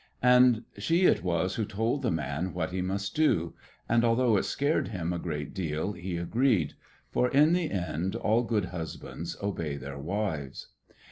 And she it was who told the man what he must do; and although it scared him a great deal he agreed, for in the end all good husbands obey their wives.